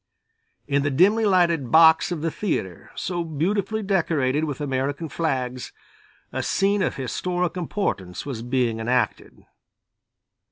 In the dimly lighted box of the theatre, so beautifully decorated with American flags, a scene of historic importance was being enacted.